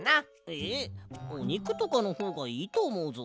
えっおにくとかのほうがいいとおもうぞ。